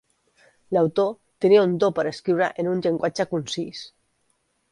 L'autor tenia un do per escriure en un llenguatge concís.